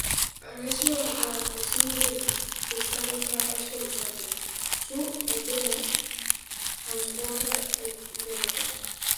Arazoa da ezin dutela eztabaida asko luzatu, su-etena hauskorra delako.